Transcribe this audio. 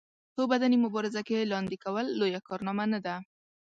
په بدني مبارزه کې لاندې کول لويه کارنامه نه ده.